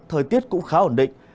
thời tiết cũng khá ổn định